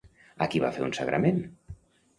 A qui va fer un sagrament?